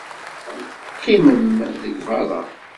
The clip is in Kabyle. Qqimem deg beṛṛa.